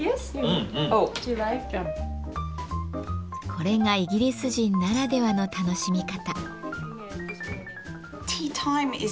これがイギリス人ならではの楽しみ方。